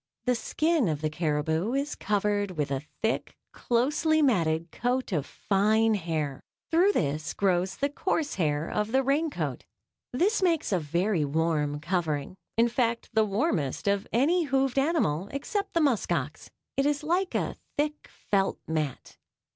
The skin of the caribou is covered with a thick, closely matted coat of fine hair; through this grows the coarse hair of the rain coat. This makes a very warm covering in fact the warmest on any hoofed animal except the musk ox. It is like a thick, felt mat.